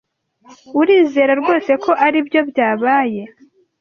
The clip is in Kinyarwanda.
Urizera rwose ko aribyo byabaye?